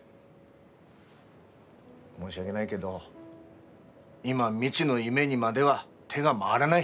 申し訳ないけど今、未知の夢にまでは手が回らない。